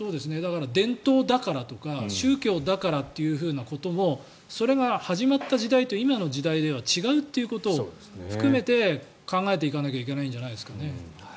伝統だから宗教だからということもそれが始まった時代と今の時代では違うっていうことを含めて考えていかなきゃいけないんじゃないですかね。